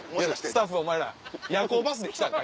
スタッフお前ら夜行バスで来たんか？